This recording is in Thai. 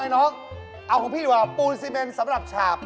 ไอ้น้องเอาของพี่ดีกว่าปูนจริงสำหรับฉาบ